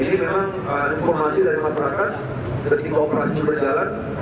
ini memang informasi dari masyarakat ketika operasi berjalan